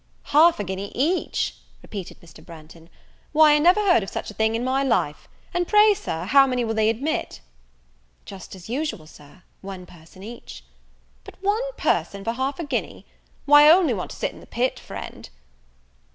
"Half a guinea each!" repeated Mr. Branghton, "why, I never heard of such a thing in my life! And pray, Sir, how many will they admit?" "Just as usual, Sir, one person each." "But one person for half a guinea! why, I only want to sit in the pit, friend."